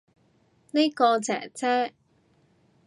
呢個姐姐